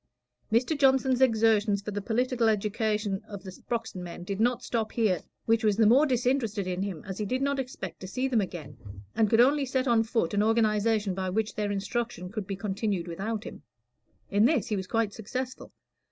Mr. Johnson's exertions for the political education of the Sproxton men did not stop here, which was the more disinterested in him as he did not expect to see them again, and could only set on foot an organization by which their instruction could be continued without him. In this he was quite successful.